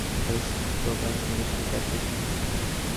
তিনি যে আঘাত পান সেই আর্তির বহিঃপ্রকাশ ঘটেছে কাব্যটিতে।